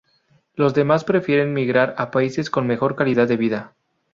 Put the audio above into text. Los demás prefieren migrar a países con mejor calidad de vida.